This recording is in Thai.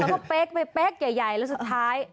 แล้วก็เป๊กไปเป๊กใหญ่แล้วสุดท้าย